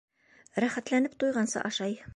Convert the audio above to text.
Рәхәтләнеп, туйғансы ашай.